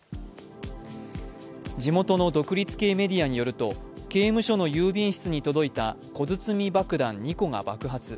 地元の独立系メディアによると刑務所の郵便室に届いた小包爆弾２個が爆発。